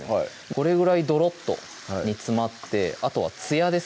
これぐらいドロッと煮詰まってあとはつやですね